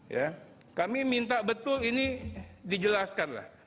ya kami minta betul ini dijelaskan lah